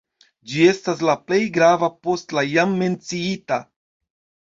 Ĝi estas la plej grava post la jam menciita.